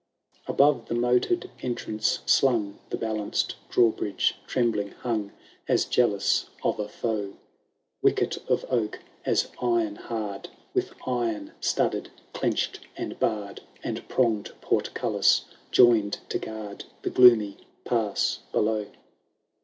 Above the moated entrance sUing, The balanced drawbridge trembling hung, As jealous of a foe ; Wicket of oak, as iron hard. With iron studded, clench'd, and barr'd, And prong'd portcullis, join'd to guard The gloomy pass below.